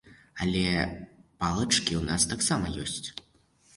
Але палачкі ў нас таксама ёсць.